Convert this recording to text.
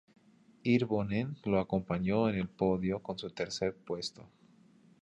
Hirvonen lo acompañó en el podio con su tercer puesto.